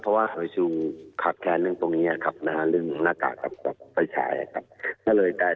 เพราะว่ามันเรซีลคัทแคลร์เรื่องตรงนี้นะครับถ้าเรื่องหน้ากากตรงหน้าแขววชายนะครับ